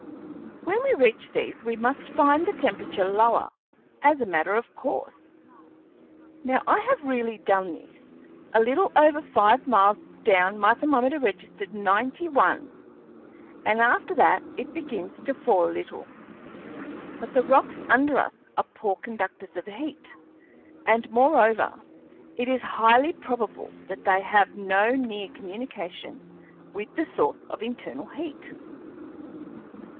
When we reach these, we must find the temperature lower, as a matter of course. Now I have really done this. A little over five miles down my thermometer registered ninety one, and after that it began to fall a little. But the rocks under us are poor conductors of heat; and, moreover, it is highly probable that they have no near communication with the source of internal heat."